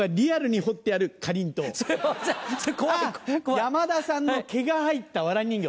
山田さんの毛が入ったワラ人形。